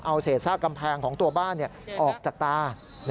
เอาเศษซากกำแพงของตัวบ้านออกจากตา